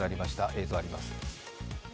映像があります。